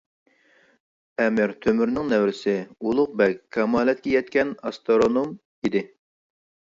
ئەمىر تۆمۈرنىڭ نەۋرىسى ئۇلۇغ بەگ كامالەتكە يەتكەن ئاسترونوم ئىدى.